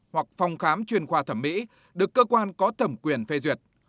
hoặc phòng khám chuyên khoa thẩm mỹ được cơ quan có thẩm quyền phê duyệt